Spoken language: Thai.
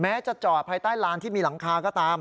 จะจอดภายใต้ลานที่มีหลังคาก็ตาม